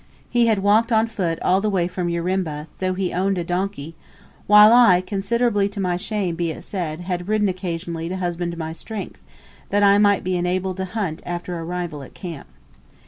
He had walked on foot all the way from Urimba, though he owned a donkey; while I, considerably to my shame be it said, had ridden occasionally to husband my strength, that I might be enabled to hunt after arrival at camp.